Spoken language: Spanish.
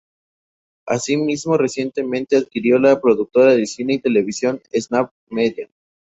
Así mismo recientemente adquirió la productora de cine y televisión Snap Media.